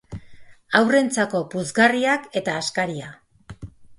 Haurrentzako puzgarriak eta askaria.